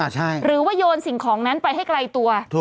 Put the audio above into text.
หรือว่าโยนสิ่งของนั้นไปให้ไกลตัว